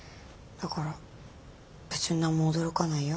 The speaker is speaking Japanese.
だから別に何も驚かないよ